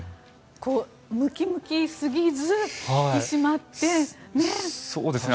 ムキムキすぎず引き締まってね。